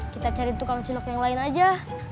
kita cari tukang cilok yang lain aja